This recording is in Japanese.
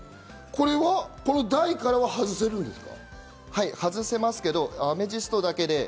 これは台からは外せるんですか？